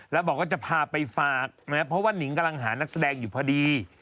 แล้วบอกว่าจะพาไปฝากนะครับเพราะว่านิงกำลังหานักแสดงอยู่พอดี